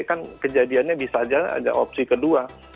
kan kejadiannya bisa saja ada opsi kedua